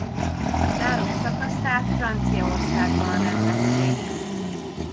A záró szakaszát Franciaországban rendezték.